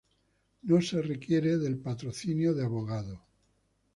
No se requiere del patrocinio de abogado.